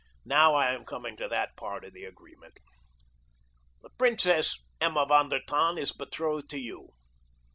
"Now I am coming to that part of the agreement. The Princess Emma von der Tann is betrothed to you.